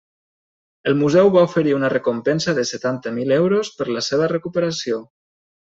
El museu va oferir una recompensa de setanta mil euros per la seva recuperació.